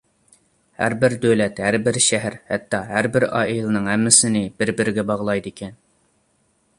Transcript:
ھەربىر دۆلەت، ھەربىر شەھەر، ھەتتا ھەربىر ئائىلىنىڭ ھەممىسىنى بىر-بىرىگە باغلايدىكەن.